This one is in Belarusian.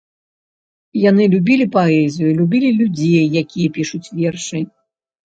Яны любілі паэзію, любілі людзей, якія пішуць вершы.